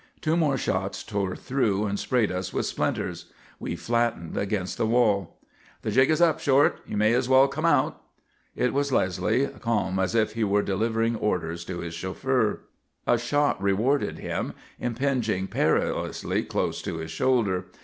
Two more shots tore through and sprayed us with splinters. We flattened against the wall. "The jig is up, Short; you may as well come out." It was Leslie, calm as if he were delivering orders to his chauffeur. A shot rewarded him, impinging perilously close to his shoulder.